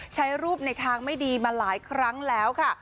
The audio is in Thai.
ใช้รูปในทางไม่ดีมาหลายครั้งแล้วค่ะ